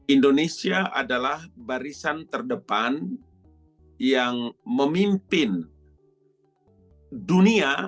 indonesia adalah barisan terdepan yang memimpin dunia